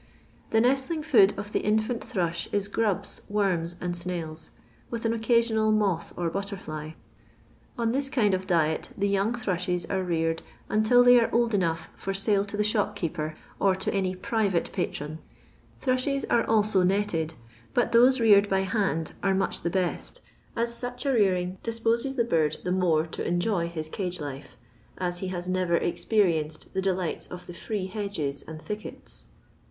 The nestling food of the infant thrush is grubs, worms, and snail:*, with an occasional moth or butterfly. On tiiis kind of diet the young thrushes are reared until they are old enough for sale to the shopkeeper, or to any private patron. Thrushes are also netted, but LONDON LABOUR AND THE LONDON POOR. 61 tboM reued by band are mucb the best, as such a rearing disposes the bird the more to enjoy his cage life, as he has never experienced the delights of the free hedges and thickets.